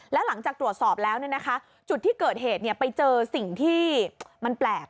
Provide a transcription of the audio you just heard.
แล้วหลังจากตรวจสอบแล้วจุดที่เกิดเหตุไปเจอสิ่งที่มันแปลก